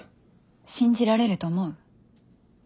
信じられると思う？